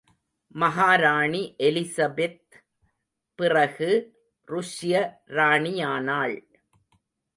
மகாராணி எலிசபெத் பிறகு ருஷ்ய ராணியானாள்.